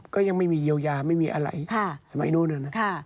ก็ยังไม่มีเยียวยาไม่มีอะไรสมัยนู้นนะนะ